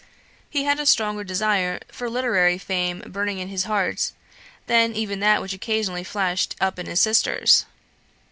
He had a stronger desire for literary fame burning in his heart, than even that which occasionally flashed up in his sisters'.